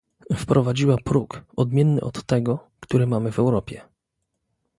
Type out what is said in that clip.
Wprowadziła próg odmienny od tego, który mamy w Europie